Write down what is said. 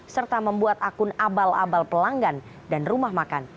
serta membuat akun abal abal pelanggan dan rumah makan